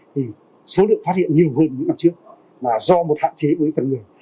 thì số lượng phát hiện nhiều hơn những năm trước là do một hạn chế với con người